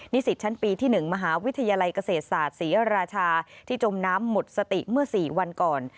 สิตชั้นปีที่๑มหาวิทยาลัยเกษตรศาสตร์ศรีราชาที่จมน้ำหมดสติเมื่อ๔วันก่อน